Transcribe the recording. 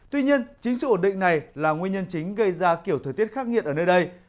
tuy nhiên chính sự ổn định này là nguyên nhân chính gây ra kiểu thời tiết khắc nghiệt ở nơi đây